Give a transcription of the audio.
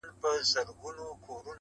په حضور كي ورته جمع درباريان سول!.